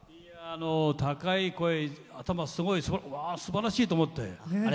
高い声うわー、すばらしいと思って。